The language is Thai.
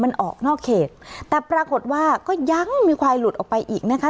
มันออกนอกเขตแต่ปรากฏว่าก็ยังมีควายหลุดออกไปอีกนะคะ